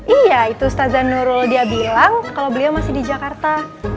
iya itu stazan nurul dia bilang kalau beliau masih di jakarta